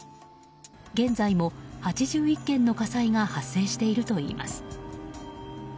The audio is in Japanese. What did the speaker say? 現在も８１件の火災が発生しているといいます。